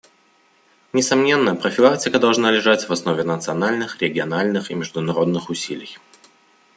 Несомненно, профилактика должна лежать в основе национальных, региональных и международных усилий.